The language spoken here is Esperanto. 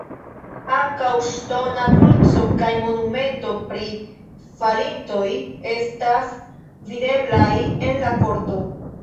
Ankaŭ ŝtona kruco kaj monumento pri falintoj estas videblaj en la korto.